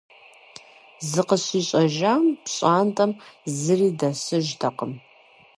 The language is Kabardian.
ЗыкъыщищӀэжам пщӀантӀэм зыри дэсыжтэкъым.